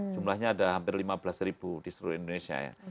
jumlahnya ada hampir lima belas ribu di seluruh indonesia ya